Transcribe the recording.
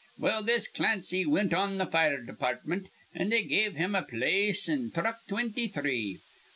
"Well, this Clancy wint on th' fire departmint, an' they give him a place in thruck twinty three.